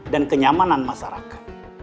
dan kenyamanan masyarakat